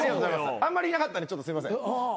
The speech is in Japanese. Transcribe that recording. あんまりいなかったんでちょっとすいません。